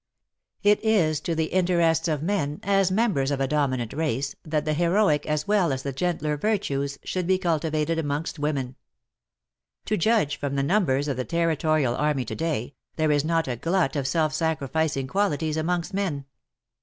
It is to the interests of men, as members of a dominant race, that the heroic as well as the gentler virtues should be cultivated amongst women. To judge from the numbers of the Territorial army to day, there is not a glut of self sacrificing qualities amongst men.